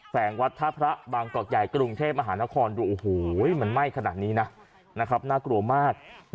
แสงวัดท่าพระบางกอกใหญ่กรุงเทพมหานครดูโอ้โหมันไหม้ขนาดนี้นะน่ากลัวมาก